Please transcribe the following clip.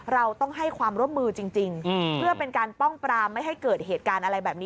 เราต้องให้ความร่วมมือจริงเพื่อเป็นการป้องปรามไม่ให้เกิดเหตุการณ์อะไรแบบนี้